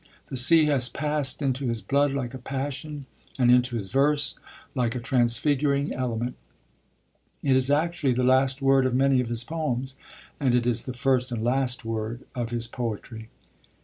The sea has passed into his blood like a passion and into his verse like a transfiguring element. It is actually the last word of many of his poems, and it is the first and last word of his poetry.